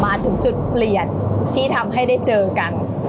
มาถึงจุดเปลี่ยนที่ทำให้ได้เจอกัน